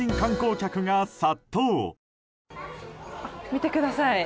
見てください